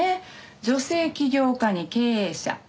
女性起業家に経営者